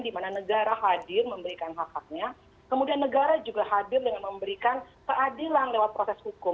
di mana negara hadir memberikan hak haknya kemudian negara juga hadir dengan memberikan keadilan lewat proses hukum